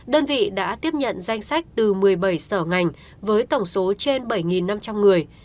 đơn vị đã tiếp nhận danh sách từ một mươi bảy sở ngành với tổng số trên bảy năm trăm linh người